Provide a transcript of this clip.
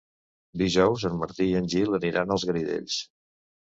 Dijous en Martí i en Gil aniran als Garidells.